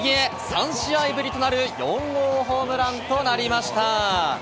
３試合ぶりとなる４号ホームランとなりました。